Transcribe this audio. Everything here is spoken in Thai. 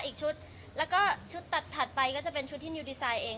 อีกชุดแล้วก็ชุดตัดถัดไปก็จะเป็นชุดที่นิวดีไซน์เอง